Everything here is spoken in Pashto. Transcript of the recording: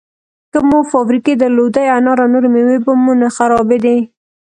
که مو فابریکې درلودی، انار او نورې مېوې به مو نه خرابېدې!